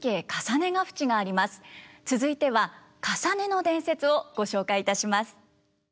続いては「累の伝説」をご紹介いたします。